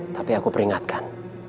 tapi aku peringatkan